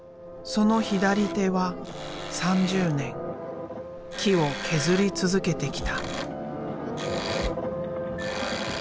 その左手は３０年木を削り続けてきた。